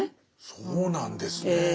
そうなんですね。